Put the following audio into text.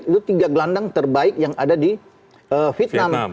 itu tiga gelandang terbaik yang ada di vietnam